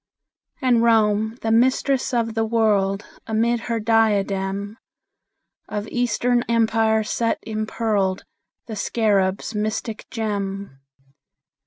And Rome, the Mistress of the World, Amid her diadem Of Eastern Empires set impearled The Scarab's mystic gem.